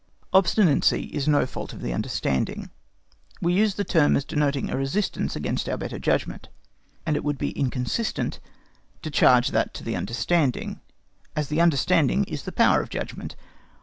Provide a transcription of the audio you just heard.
Obstinacy is no fault of the understanding; we use the term as denoting a resistance against our better judgment, and it would be inconsistent to charge that to the understanding, as the understanding is the power of judgment.